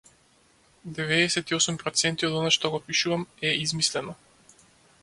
Деведесет и осум проценти од она што го пишувам е измислено.